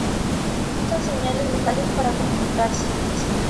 Usan señales vocales para comunicarse.